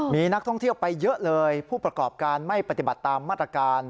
มีนักท่องเที่ยวไปเยอะเลยผู้ประกอบการไม่ปฏิบัติตามมาตรการ